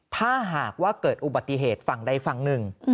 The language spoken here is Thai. ถ้าหากว่าเกิดอุบัติเหตุฝั่งใดฝั่งหนึ่ง